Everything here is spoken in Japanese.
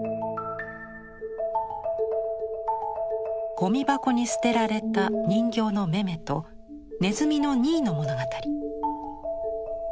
ゴミ箱に捨てられた人形のメメとネズミのニーの物語。